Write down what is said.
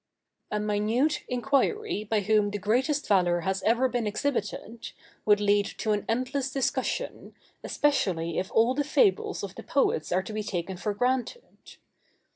A minute inquiry by whom the greatest valor has ever been exhibited, would lead to an endless discussion, especially if all the fables of the poets are to be taken for granted.